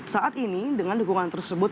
saat ini dengan dukungan tersebut